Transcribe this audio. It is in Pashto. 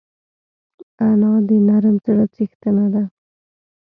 انا د نرم زړه څښتنه ده